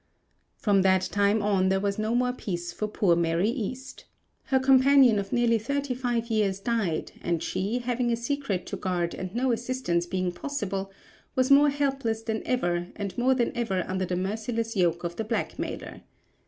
From that time on there was no more peace for poor Mary East. Her companion of nearly thirty five years died and she, having a secret to guard and no assistance being possible, was more helpless than ever and more than ever under the merciless yoke of the blackmailer.